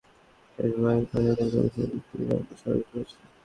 তিনি আরও অভিযোগ করেন, ফেসবুক মার্কিন নজরদারি কর্মসূচি প্রিজমকে সহযোগিতা করছে।